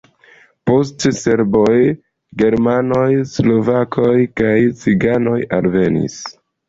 Poste serboj, germanoj, slovakoj kaj ciganoj alvenis.